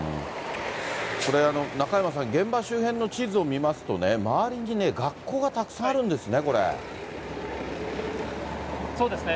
これ、中山さん、現場周辺の地図を見ますと、周りに学校がたくさんあるんですね、そうですね。